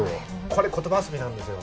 これ言葉遊びなんですよ。